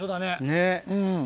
ねっ。